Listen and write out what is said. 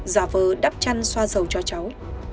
giả vờ đắp chăn xoa dầu cho cháu